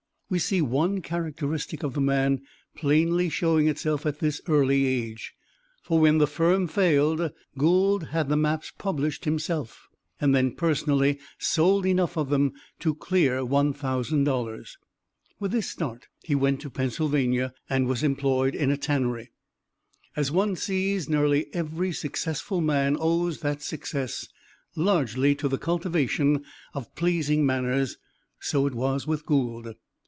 We see one characteristic of the man plainly showing itself at this early age, for when the firm failed, Gould had the maps published himself, and then personally sold enough of them to clear $1,000. With this start he went to Pennsylvania, and was employed in a tannery. As one sees, nearly every successful man owes that success largely to the cultivation of pleasing manners, so it was with Gould.